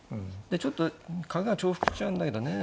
ちょっと角が重複しちゃうんだけどね